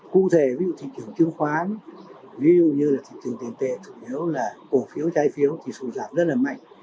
cụ thể ví dụ thị trường chứng khoán ví dụ như là thị trường tiền tề thủ yếu là cổ phiếu trái phiếu thì sự giảm rất là mạnh